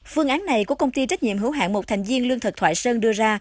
phương án này của công ty trách nhiệm hữu hạng một thành viên lương thực thoại sơn đưa ra